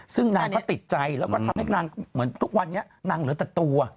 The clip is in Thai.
ซึ่งนางก็ติดใจแล้วก็ทำให้นางเหมือนทุกวันนี้นางเหลือแต่ตัว